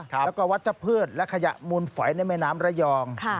แล้วก็วัชพืชและขยะมูลฝอยในแม่น้ำระยอง